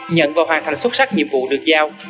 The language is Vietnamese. nhận và hoàn thành xuất sắc nhiệm vụ được giao